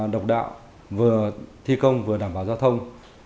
độc đạo vừa thi công vừa đảm bảo giao thông